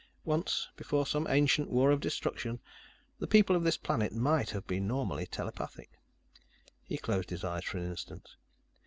"Once, before some ancient war of destruction, the people of this planet might have been normally telepathic." He closed his eyes for an instant.